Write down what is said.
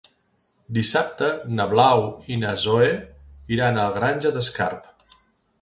Dissabte na Blau i na Zoè iran a la Granja d'Escarp.